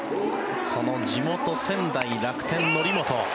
その地元・仙台楽天、則本。